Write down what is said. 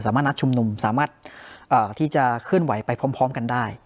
นัดชุมนุมสามารถที่จะเคลื่อนไหวไปพร้อมกันได้